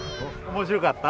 面白かった。